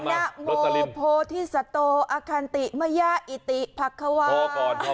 นโมโพธิสโตอคันติมยาอิติพักควา